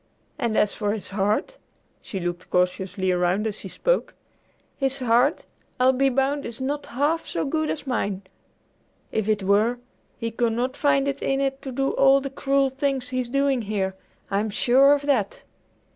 And as for his heart" she looked cautiously around as she spoke "his heart, I'll be bound, is not half so good as mine! If it were, he could not find it in it to do all the cruel things he's doing here. I'm sure of that."